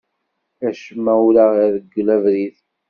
Acemma ur aɣ-ireggel abrid.